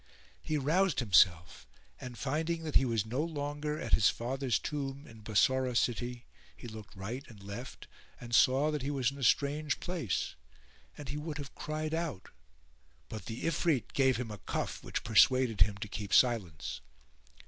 He roused himself and finding that he was no longer at his father's tomb in Bassorah city he looked right and left and saw that he was in a strange place; and he would have cried out; but the Ifrit gave him a cuff which persuaded him to keep silence.